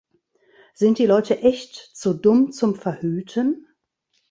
Sind die Leute echt zu dumm zum Verhüten?